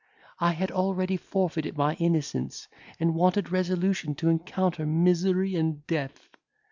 I had already forfeited my innocence, and wanted resolution to encounter misery and death.